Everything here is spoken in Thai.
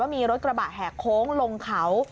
มีรถกระบะแหกโค้งลงเขา